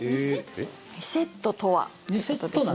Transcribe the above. ２セットとは？ということですね。